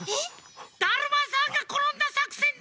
だるまさんがころんださくせんだよ！